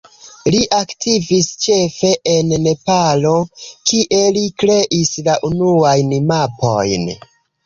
Li aktivis ĉefe en Nepalo, kie li kreis la unuajn mapojn.